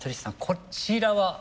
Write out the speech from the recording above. こちらは？